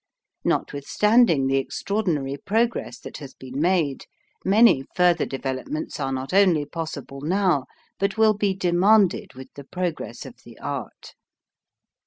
Notwithstanding the extraordinary progress that has been made many further developments are not only possible now but will be demanded with the progress of the art.